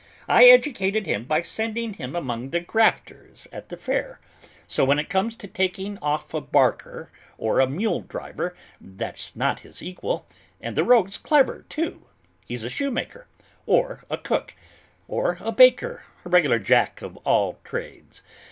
I educated him by sending him among the grafters at the fair, so when it comes to taking off a barker or a mule driver, there's not his equal, and the rogue's clever, too, he's a shoemaker, or a cook, or a baker a regular jack of all trades.